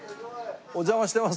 お邪魔してます。